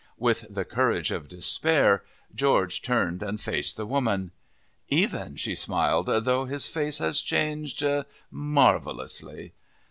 With the courage of despair, George turned and faced the woman. "Even," she smiled, "though his face has changed marvellously."